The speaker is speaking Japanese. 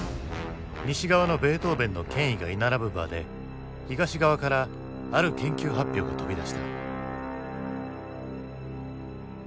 西側のベートーヴェンの権威が居並ぶ場で東側からある研究発表が飛び出した。